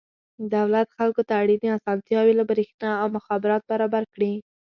دولت خلکو ته اړینې اسانتیاوې لکه برېښنا او مخابرات برابر کړي.